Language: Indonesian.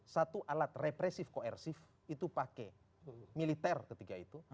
satu alat represif koersif itu pakai militer ketika itu